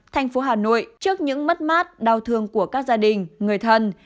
thành phố hà nội trước những mất mát đau thương của các gia đình người thân